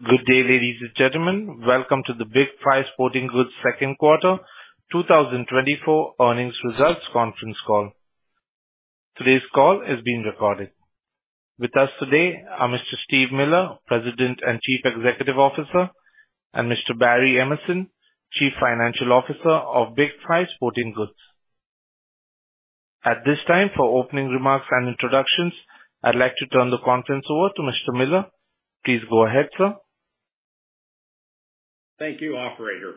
Good day, ladies and gentlemen. Welcome to the Big 5 Sporting Goods Q2 2024 Earnings Results Conference Call. Today's call is being recorded. With us today are Mr. Steve Miller, President and Chief Executive Officer, and Mr. Barry Emerson, Chief Financial Officer of Big 5 Sporting Goods. At this time, for opening remarks and introductions, I'd like to turn the conference over to Mr. Miller. Please go ahead, sir. Thank you, Operator.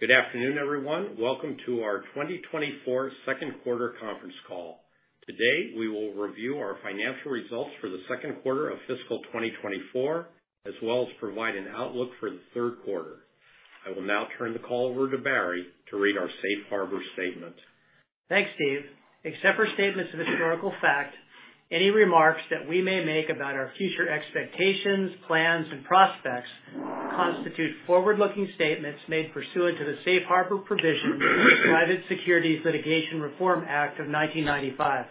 Good afternoon, everyone. Welcome to our 2024 Q2 Conference Call. Today, we will review our financial results for the Q2 of fiscal 2024, as well as provide an outlook for the third quarter. I will now turn the call over to Barry to read our Safe Harbor Statement. Thanks, Steve. Except for statements of historical fact, any remarks that we may make about our future expectations, plans, and prospects constitute forward-looking statements made pursuant to the Safe Harbor Provision in the Private Securities Litigation Reform Act of 1995.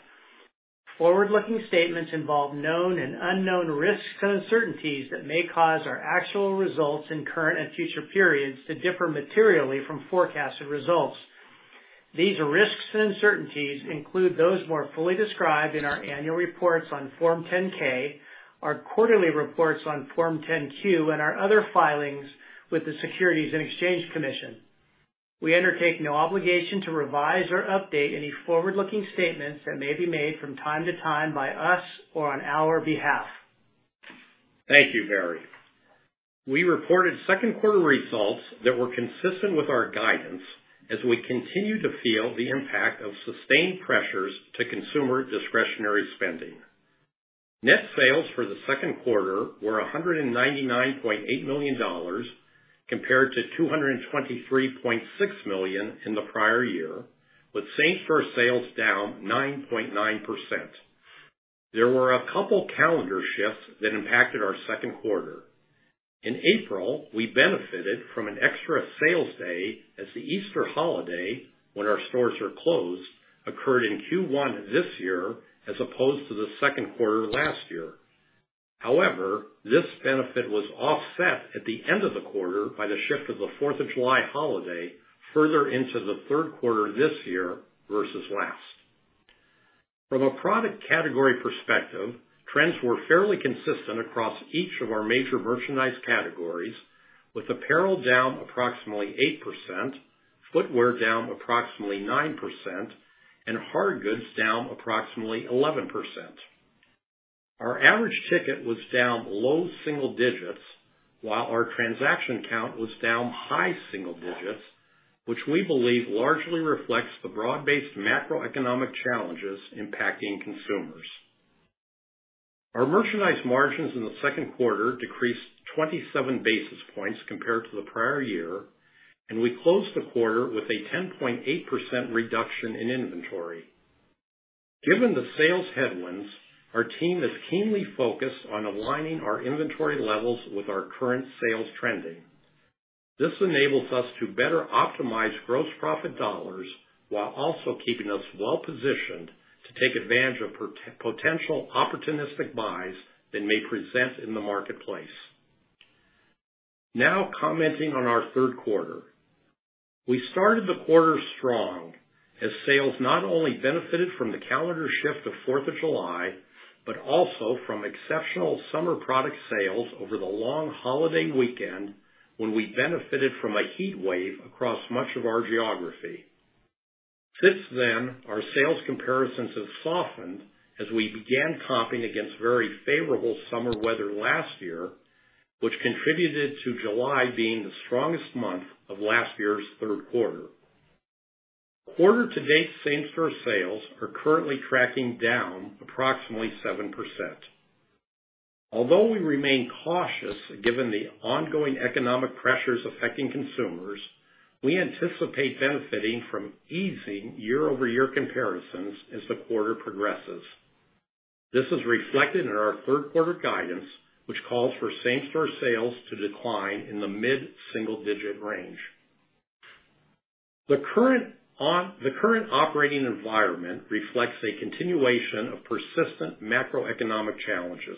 Forward-looking statements involve known and unknown risks and uncertainties that may cause our actual results in current and future periods to differ materially from forecasted results. These risks and uncertainties include those more fully described in our annual reports on Form 10-K, our quarterly reports on Form 10-Q, and our other filings with the Securities and Exchange Commission. We undertake no obligation to revise or update any forward-looking statements that may be made from time to time by us or on our behalf. Thank you, Barry. We reported Q2 results that were consistent with our guidance as we continue to feel the impact of sustained pressures to consumer discretionary spending. Net sales for the Q2 were $199.8 million compared to $223.6 million in the prior year, with same-store sales down 9.9%. There were a couple of calendar shifts that impacted our Q2. In April, we benefited from an extra sales day as the Easter holiday, when our stores are closed, occurred in Q1 this year as opposed to the Q2 last year. However, this benefit was offset at the end of the quarter by the shift of the 4th of July holiday further into the third quarter this year versus last. From a product category perspective, trends were fairly consistent across each of our major merchandise categories, with apparel down approximately 8%, footwear down approximately 9%, and hard goods down approximately 11%. Our average ticket was down low single digits, while our transaction count was down high single digits, which we believe largely reflects the broad-based macroeconomic challenges impacting consumers. Our merchandise margins in the Q2 decreased 27 basis points compared to the prior year, and we closed the quarter with a 10.8% reduction in inventory. Given the sales headwinds, our team is keenly focused on aligning our inventory levels with our current sales trending. This enables us to better optimize gross profit dollars while also keeping us well positioned to take advantage of potential opportunistic buys that may present in the marketplace. Now commenting on our third quarter, we started the quarter strong as sales not only benefited from the calendar shift of 4th of July but also from exceptional summer product sales over the long holiday weekend when we benefited from a heat wave across much of our geography. Since then, our sales comparisons have softened as we began comping against very favorable summer weather last year, which contributed to July being the strongest month of last year's third quarter. Quarter-to-date same-store sales are currently tracking down approximately 7%. Although we remain cautious given the ongoing economic pressures affecting consumers, we anticipate benefiting from easing year-over-year comparisons as the quarter progresses. This is reflected in our third quarter guidance, which calls for same-store sales to decline in the mid-single-digit range. The current operating environment reflects a continuation of persistent macroeconomic challenges.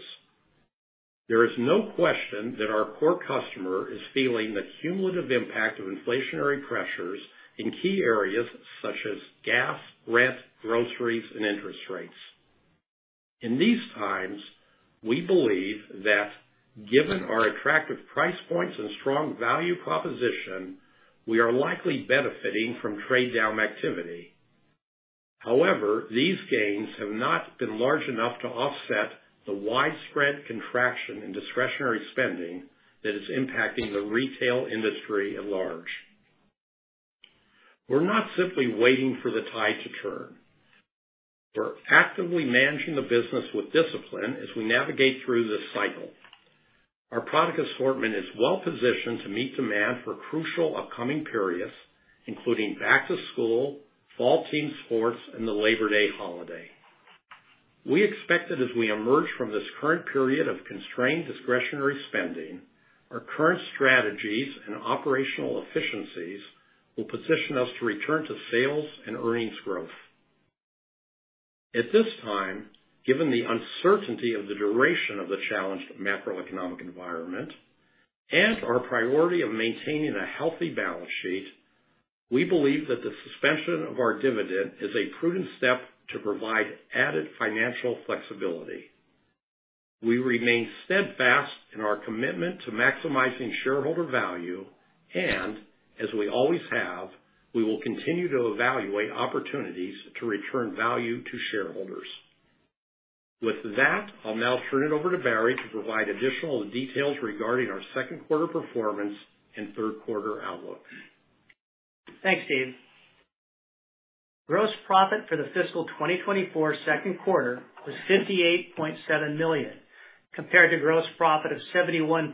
There is no question that our core customer is feeling the cumulative impact of inflationary pressures in key areas such as gas, rent, groceries, and interest rates. In these times, we believe that given our attractive price points and strong value proposition, we are likely benefiting from trade down activity. However, these gains have not been large enough to offset the widespread contraction in discretionary spending that is impacting the retail industry at large. We're not simply waiting for the tide to turn. We're actively managing the business with discipline as we navigate through this cycle. Our product assortment is well positioned to meet demand for crucial upcoming periods, including back to school, fall team sports, and the Labor Day holiday. We expect that as we emerge from this current period of constrained discretionary spending, our current strategies and operational efficiencies will position us to return to sales and earnings growth. At this time, given the uncertainty of the duration of the challenged macroeconomic environment and our priority of maintaining a healthy balance sheet, we believe that the suspension of our dividend is a prudent step to provide added financial flexibility. We remain steadfast in our commitment to maximizing shareholder value, and as we always have, we will continue to evaluate opportunities to return value to shareholders. With that, I'll now turn it over to Barry to provide additional details regarding our Q2 performance and third quarter outlook. Thanks, Steve. Gross profit for the fiscal 2024 Q2 was $58.7 million compared to gross profit of $71.9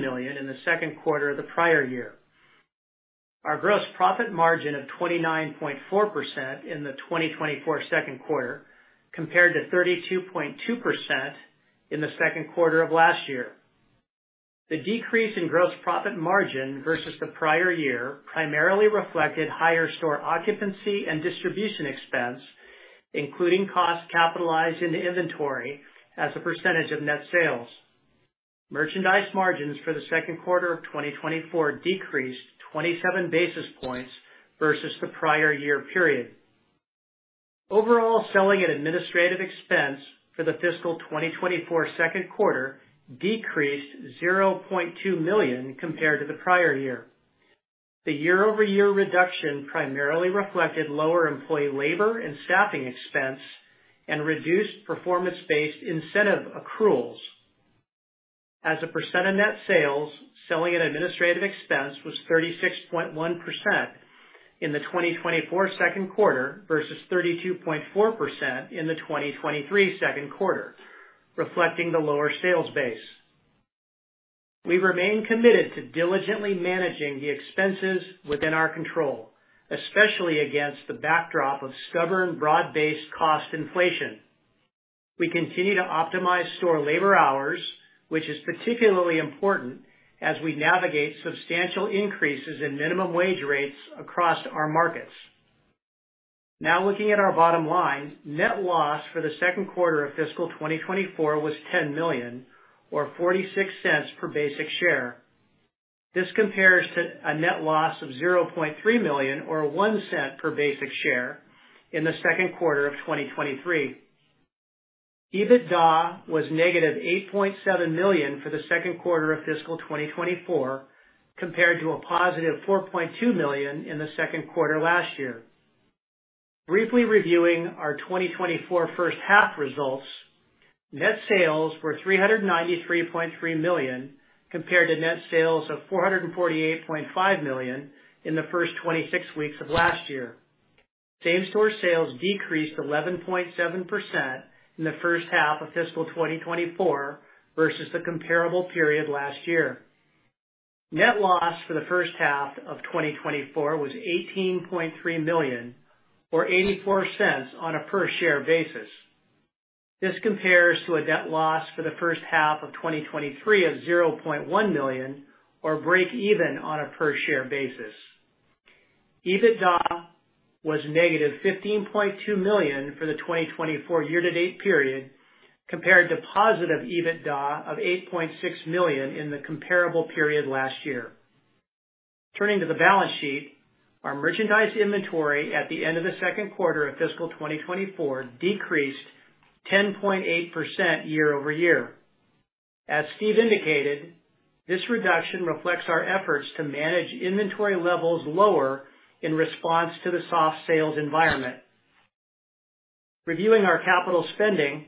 million in the Q2 of the prior year. Our gross profit margin of 29.4% in the 2024 Q2 compared to 32.2% in the Q2 of last year. The decrease in gross profit margin versus the prior year primarily reflected higher store occupancy and distribution expense, including costs capitalized into inventory as a percentage of net sales. Merchandise margins for the Q2 of 2024 decreased 27 basis points versus the prior year period. Overall selling and administrative expense for the fiscal 2024 Q2 decreased $0.2 million compared to the prior year. The year-over-year reduction primarily reflected lower employee labor and staffing expense and reduced performance-based incentive accruals. As a percent of net sales, Selling and administrative expense was 36.1% in the 2024 Q2 versus 32.4% in the 2023 Q2, reflecting the lower sales base. We remain committed to diligently managing the expenses within our control, especially against the backdrop of stubborn broad-based cost inflation. We continue to optimize store labor hours, which is particularly important as we navigate substantial increases in minimum wage rates across our markets. Now looking at our bottom line, net loss for the Q2 of fiscal 2024 was $10 million, or $0.46 per basic share. This compares to a net loss of $0.3 million, or $0.01 per basic share in the Q2 of 2023. EBITDA was negative $8.7 million for the Q2 of fiscal 2024 compared to a positive $4.2 million in the Q2 last year. Briefly reviewing our 2024 first half results, net sales were $393.3 million compared to net sales of $448.5 million in the first 26 weeks of last year. Same-store sales decreased 11.7% in the first half of fiscal 2024 versus the comparable period last year. Net loss for the first half of 2024 was $18.3 million, or $0.84 on a per-share basis. This compares to a net loss for the first half of 2023 of $0.1 million, or break-even on a per-share basis. EBITDA was negative $15.2 million for the 2024 year-to-date period compared to positive EBITDA of $8.6 million in the comparable period last year. Turning to the balance sheet, our merchandise inventory at the end of the Q2 of fiscal 2024 decreased 10.8% year-over-year. As Steve indicated, this reduction reflects our efforts to manage inventory levels lower in response to the soft sales environment. Reviewing our capital spending,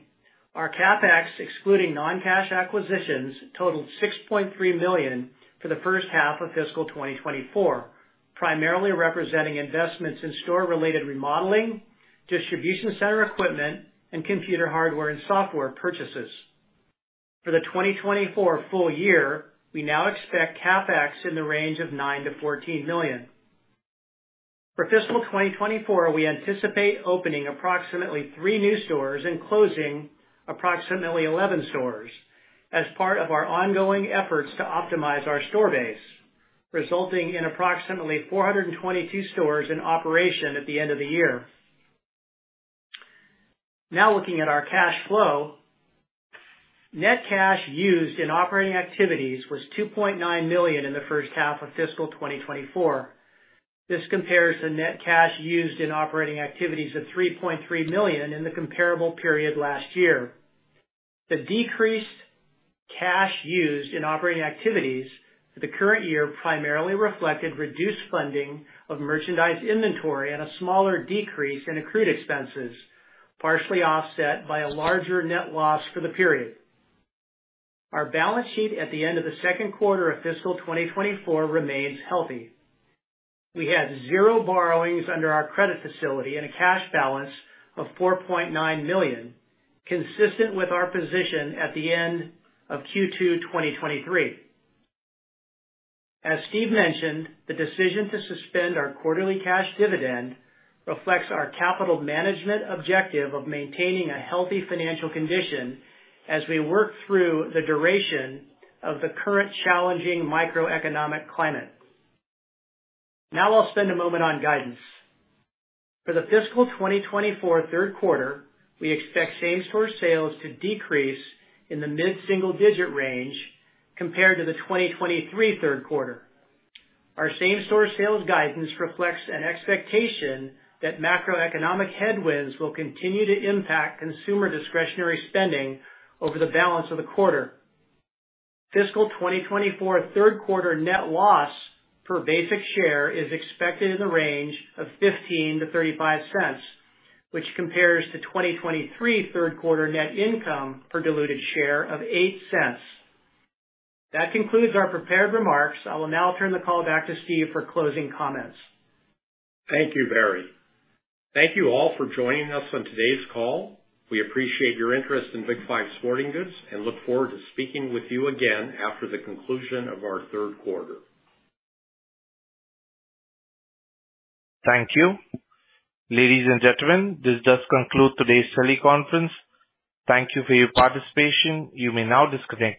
our CapEx, excluding non-cash acquisitions, totaled $6.3 million for the first half of fiscal 2024, primarily representing investments in store-related remodeling, distribution center equipment, and computer hardware and software purchases. For the 2024 full year, we now expect CapEx in the range of $9 million-$14 million. For fiscal 2024, we anticipate opening approximately three new stores and closing approximately 11 stores as part of our ongoing efforts to optimize our store base, resulting in approximately 422 stores in operation at the end of the year. Now looking at our cash flow, net cash used in operating activities was $2.9 million in the first half of fiscal 2024. This compares to net cash used in operating activities of $3.3 million in the comparable period last year. The decreased cash used in operating activities for the current year primarily reflected reduced funding of merchandise inventory and a smaller decrease in accrued expenses, partially offset by a larger net loss for the period. Our balance sheet at the end of the Q2 of fiscal 2024 remains healthy. We had zero borrowings under our credit facility and a cash balance of $4.9 million, consistent with our position at the end of Q2 2023. As Steve mentioned, the decision to suspend our quarterly cash dividend reflects our capital management objective of maintaining a healthy financial condition as we work through the duration of the current challenging macroeconomic climate. Now I'll spend a moment on guidance. For the fiscal 2024 third quarter, we expect same-store sales to decrease in the mid-single-digit range compared to the 2023 third quarter. Our same-store sales guidance reflects an expectation that macroeconomic headwinds will continue to impact consumer discretionary spending over the balance of the quarter. Fiscal 2024 third quarter net loss per basic share is expected in the range of $0.15-$0.35, which compares to 2023 third quarter net income per diluted share of $0.08. That concludes our prepared remarks. I will now turn the call back to Steve for closing comments. Thank you, Barry. Thank you all for joining us on today's call. We appreciate your interest in Big 5 Sporting Goods and look forward to speaking with you again after the conclusion of our third quarter. Thank you. Ladies and gentlemen, this does conclude today's teleconference. Thank you for your participation. You may now disconnect.